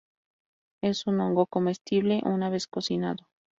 Es un hongo comestible una vez cocinado.